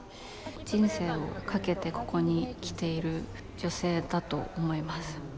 人生をかけてここに来ている女性だと思います。